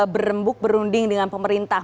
berembuk berunding dengan pemerintah